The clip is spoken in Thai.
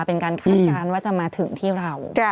เป็นการคาดการณ์ว่าจะมาถึงที่เรา